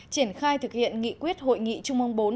triển khai thực hiện nghị quyết hội nghị trung ương bốn